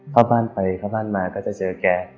เข้าบ้านไปเข้าบ้านมาก็จะเจอแก